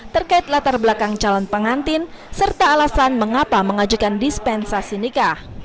terkait latar belakang calon pengantin serta alasan mengapa mengajukan dispensasi nikah